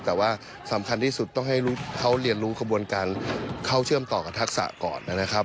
แต่ว่าสำคัญที่สุดต้องให้เขาเรียนรู้ขบวนการเข้าเชื่อมต่อกับทักษะก่อนนะครับ